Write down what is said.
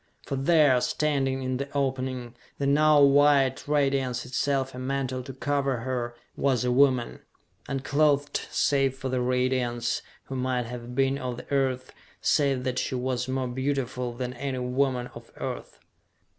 For there, standing in the opening, the now white radiance itself a mantle to cover her, was a woman, unclothed save for the radiance, who might have been of the Earth, save that she was more beautiful than any woman of Earth.